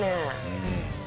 うん。